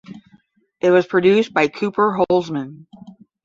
It was produced by Cooper Holzman.